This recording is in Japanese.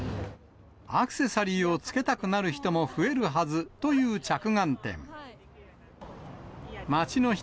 アクセサリーをつけたくなる人も増えるはずという着眼点。